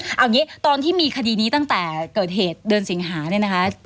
เอาอย่างนี้ตอนที่มีคดีนี้ตั้งแต่เกิดเหตุเดือนสิงหาเนี่ยนะคะ